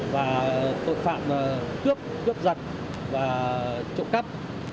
và tội phạm cướp cướp giật và trộm cắp